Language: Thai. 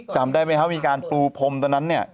จำได้ไหมครับมีการปูพรมตอนนั้นเนี่ย